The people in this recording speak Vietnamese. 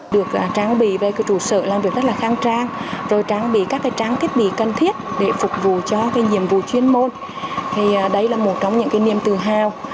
được trang bị về trụ sở làm việc rất là khang trang rồi trang bị các trang thiết bị cần thiết để phục vụ cho nhiệm vụ chuyên môn thì đây là một trong những niềm tự hào